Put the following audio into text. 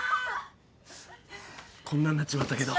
こんなんなっちまったけど。